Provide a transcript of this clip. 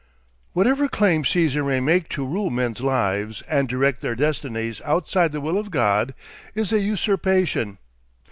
Whatever claim Caesar may make to rule men's lives and direct their destinies outside the will of God, is a usurpation.